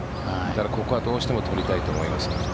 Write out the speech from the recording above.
ここはどうしても取りたいと思います。